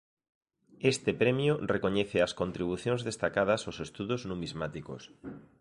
Este premio recoñece as contribucións destacadas aos estudos numismáticos.